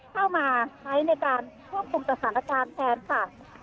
เข้ามาในการเวิ่นคุมก็สรรค์นักการแทนค่ะ